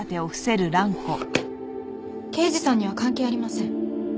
刑事さんには関係ありません。